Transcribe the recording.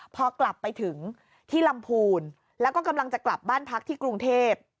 พอกลับไปถึงที่ลำพูนแล้วก็กำลังจะกลับบ้านพักที่กรุงเทพ